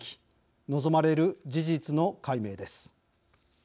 望まれる事実の解明です。